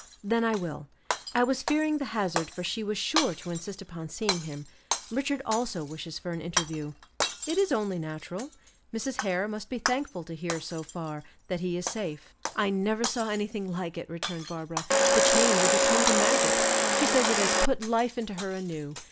"Then I will; I was fearing the hazard for she is sure to insist upon seeing him. Richard also wishes for an interview." "It is only natural. Mrs. Hare must be thankful to hear so far, that he is safe." "I never saw anything like it," returned Barbara; "the change is akin to magic; she says it has put life into her anew.